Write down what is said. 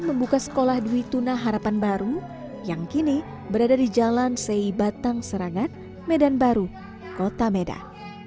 membuka sekolah dwi tuna harapan baru yang kini berada di jalan sei batang serangan medan baru kota medan